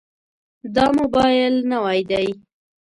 دا موبایل نوی دی.